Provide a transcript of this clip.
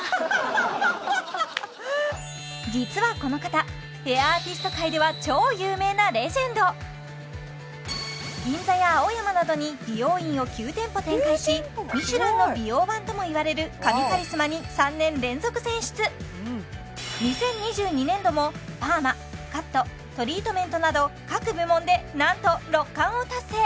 実はこの方ヘアアーティスト界では超有名なレジェンドミシュランの美容版ともいわれるカミカリスマに２０２２年度もパーマカットトリートメントなど各部門でなんと６冠を達成